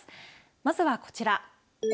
まずはこちら。